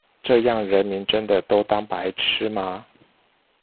這樣人民真的都當白痴嗎？